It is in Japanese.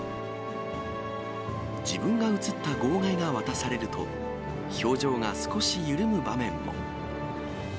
自分が写った号外が渡されると、表情が少し緩む場面も。